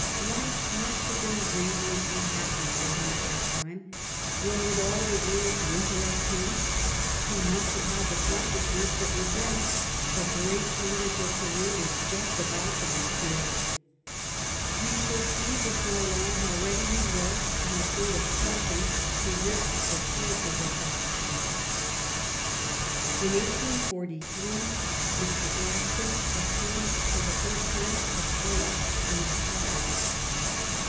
Life must have been radiantly happy for him at that time, when, with all the world to interest him, he must have had the conscious ness that with him a great political career was just about to begin. We shall see before long how ready he was, on a point of conscience, to risk the chances of that career. In 1843 Mr. Gladstone obtained for the first time a place in the Cabinet.